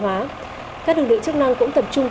các lực lượng chức năng cũng tập trung